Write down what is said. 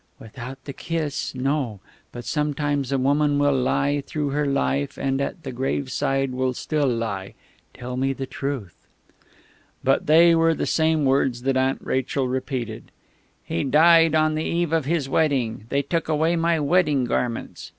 "Without the kiss, no.... But sometimes a woman will lie through her life, and at the graveside still will lie.... Tell me the truth." But they were the same words that Aunt Rachel repeated: "He died on the eve of his wedding; they took away my wedding garments...."